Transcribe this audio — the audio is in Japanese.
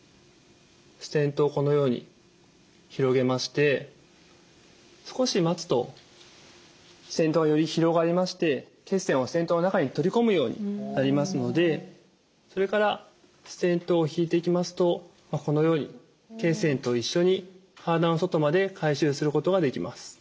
ステントをこのように広げまして少し待つとステントがより広がりまして血栓をステントの中に取り込むようになりますのでそれからステントを引いていきますとこのように血栓と一緒に体の外まで回収することができます。